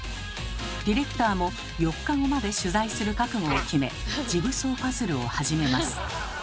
ディレクターも４日後まで取材する覚悟を決めジグソーパズルを始めます。